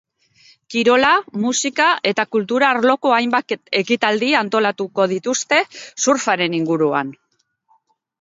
Kirola, musika eta kultura arloko hainbat ekitaldi antolatu dituzte surfaren inguruan.